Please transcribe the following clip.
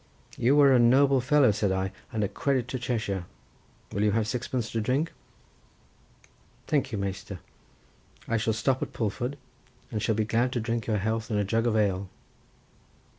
"You are a noble fellow," said I, "and a credit to Cheshire. Will you have sixpence to drink?" "Thank you, Measter, I shall stop at Pulford, and shall be glad to drink your health in a jug of ale."